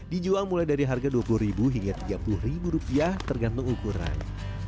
dijual mulai dari harga dua puluh hingga tiga puluh rupiah tergantung ukuran